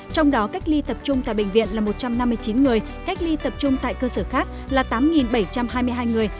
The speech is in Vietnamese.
trong đó cách ly tập trung tại bệnh viện là một trăm năm mươi chín người cách ly tập trung tại cơ sở khác là tám bảy trăm hai mươi hai người